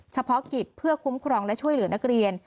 เฉพาะกิจเพื่อคุ้มครองและช่วยเหลือนักเรียน